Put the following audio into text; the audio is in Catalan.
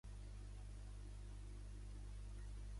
Naix a Alcoi sisé de vuit fills d'una família de caràcter humil.